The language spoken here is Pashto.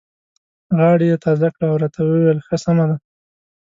غاړه یې تازه کړه او راته یې وویل: ښه سمه ده.